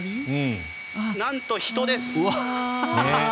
なんと人です。